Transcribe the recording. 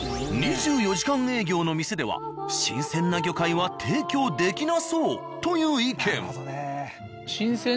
２４時間営業の店では新鮮な魚介は提供できなそうという意見。